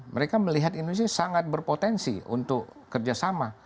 mereka melihat indonesia sangat berpotensi untuk kerjasama